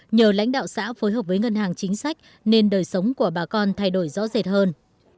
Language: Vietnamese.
nhờ lãnh đạo xã phối hợp với ngân hàng chính sách nên đời sống của bà con thay đổi rõ rệt hơn